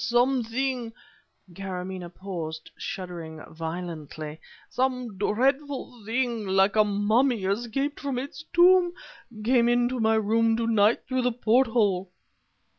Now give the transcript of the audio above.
"Something" Karamaneh paused, shuddering violently "some dreadful thing, like a mummy escaped from its tomb, came into my room to night through the porthole..."